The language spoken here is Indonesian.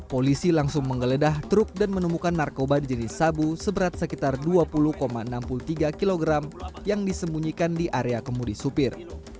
polisi langsung menggeledah truk dan menemukan narkoba jenis sabu seberat sekitar dua puluh enam puluh tiga kg yang disembunyikan di area kemudi supir